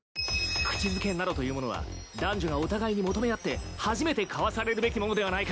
口づけなどというものは男女がお互いに求め合って初めて交わされるべきものではないか。